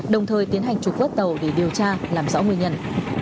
đồng thời tiến hành trục vớt tàu để điều tra làm rõ nguyên nhân